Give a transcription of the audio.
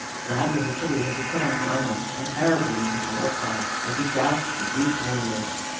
Glad was Achilles as he put on the armor, and terrible was his war cry as he roused the Greek warriors.